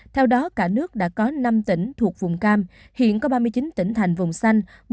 theo đó cả nước đã có năm tỉnh thuộc vùng cam hiện có ba mươi chín tỉnh thành vùng xanh